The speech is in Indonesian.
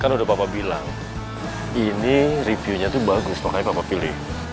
kan udah bapak bilang ini reviewnya tuh bagus makanya bapak pilih